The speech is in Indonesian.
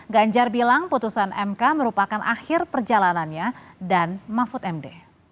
ganjar bilang putusan mk merupakan akhir perjalanannya dan mahfud md